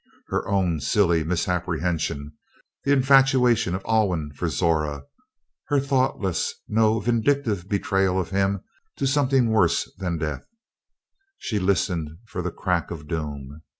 Her own silly misapprehension, the infatuation of Alwyn for Zora, her thoughtless no, vindictive betrayal of him to something worse than death. She listened for the crack of doom.